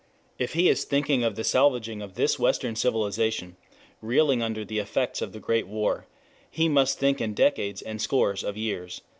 If he is thinking of the salvaging of this western civilization, reeling under the effects of the Great War, he must think in decades and scores of years."